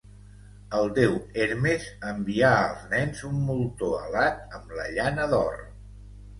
El déu Hermes envià als nens un moltó alat amb la llana d'or.